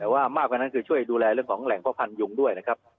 แต่ว่ามากกว่านั้นคือช่วยดูแลเรื่องของแหล่งพ่อพันธุงด้วยนะครับ